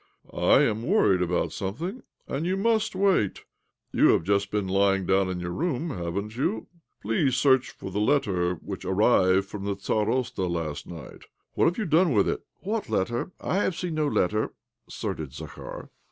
I am worried about somethmg, so you must wait. You have just been lying down in your room, hkven't you? Please search for the letter which arrived from the starosta last night. What have you done with it ?" "What letter? / have seen no letter," asserted Zakhar.